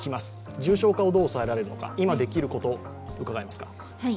重症化をどう抑えられるのか、今できること、伺えますか？